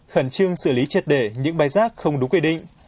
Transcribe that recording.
khẩn trương xử lý triệt để những bãi rác không đúng quy định